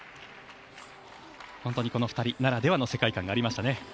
本当にこの２人ならではの世界観がありましたね。